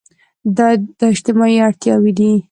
دا اجتماعي اړتياوې دي.